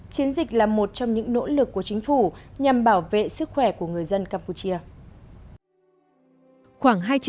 chiến dịch là một trong những nỗ lực của chính phủ nhằm bảo vệ sức khỏe của người dân campuchia